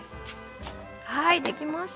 はいできました。